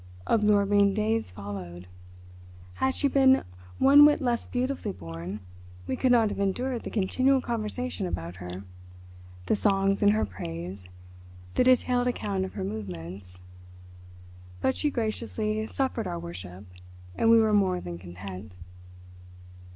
Absorbing days followed. Had she been one whit less beautifully born we could not have endured the continual conversation about her, the songs in her praise, the detailed account of her movements. But she graciously suffered our worship and we were more than content.